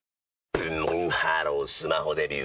ブンブンハロースマホデビュー！